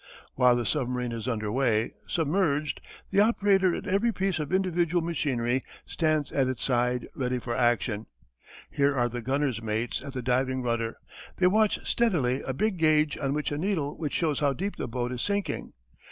While the submarine is under way, submerged, the operator at every piece of individual machinery stands at its side ready for action. Here are the gunner's mates at the diving rudder. They watch steadily a big gauge on which a needle which shows how deep the boat is sinking.